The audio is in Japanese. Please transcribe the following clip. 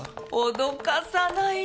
脅かさないでよ。